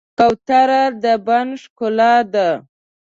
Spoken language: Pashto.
کوتره د بڼ ښکلا ده.